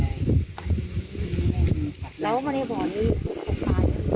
แล้วบรรยาบร้อนนี่ปลอดภัยหรือเปล่า